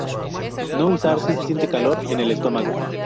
No usar si se siente calor en el estómago.